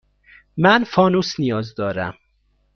من فانوس نیاز دارم.